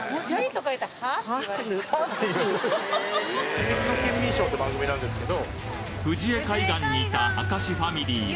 『秘密のケンミンＳＨＯＷ』って番組なんですけど。